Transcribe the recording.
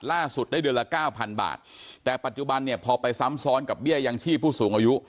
ได้เดือนละเก้าพันบาทแต่ปัจจุบันเนี่ยพอไปซ้ำซ้อนกับเบี้ยยังชีพผู้สูงอายุ